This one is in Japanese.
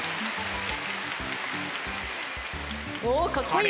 おおっかっこいい！